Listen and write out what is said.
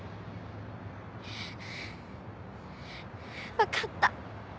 分かった。